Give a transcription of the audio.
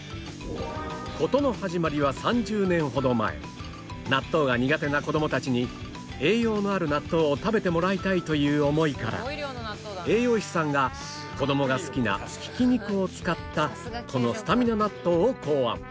事の始まりは３０年ほど前納豆が苦手な子供たちに栄養のある納豆を食べてもらいたいという思いから栄養士さんが子供が好きなひき肉を使ったこのスタミナ納豆を考案